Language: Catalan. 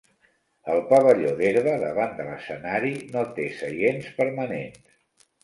El pavelló d'herba davant de l'escenari no te seients permanents.